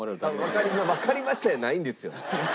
わかりまわかりましたやないんですよ！